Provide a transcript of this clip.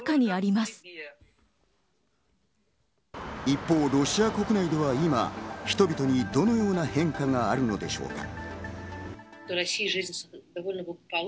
一方、ロシア国内では今、人々にどのような変化があるのでしょうか？